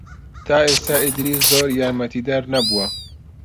تا ئێستا ئیدریس زۆر یارمەتیدەر نەبووە.